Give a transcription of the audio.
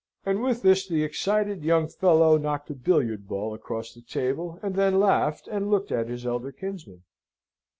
And with this, the excited young fellow knocked a billiard ball across the table, and then laughed, and looked at his elder kinsman.